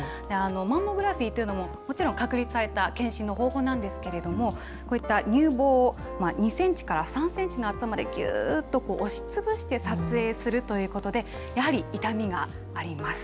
マンモグラフィーというのも、もちろん、確立された検診の方法なんですけれども、こういった乳房を２センチから３センチの厚さまで、ぎゅーっと押しつぶして撮影するということで、やはり痛みがあります。